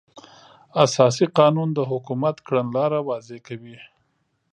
اساسي قانون د حکومت کړنلاره واضح کوي.